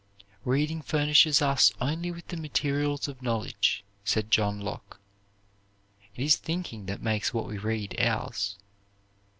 "Reading furnishes us only with the materials of knowledge," said John Locke; "it is thinking that makes what we read ours."